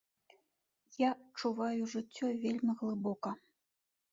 Я адчуваю жыццё вельмі глыбока.